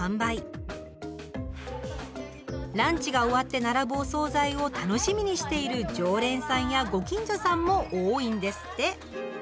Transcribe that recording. ランチが終わって並ぶお総菜を楽しみにしている常連さんやご近所さんも多いんですって。